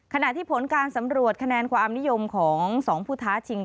ขณะที่ผลการสำรวจคะแนนความนิยมของ๒ผู้ท้าชิง